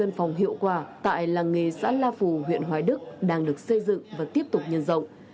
công tác phòng hiệu quả tại làng nghề xã lao phù huyện hoài đức đang được xây dựng và tiếp tục nhân rộng